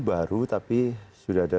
baru tapi sudah ada